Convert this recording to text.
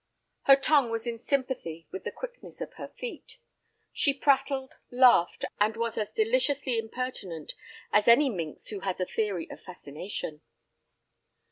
Her tongue was in sympathy with the quickness of her feet. She prattled, laughed, and was as deliciously impertinent as any minx who has a theory of fascination.